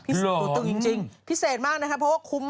ตัวตึงจริงพิเศษมากนะครับเพราะว่าคุ้ม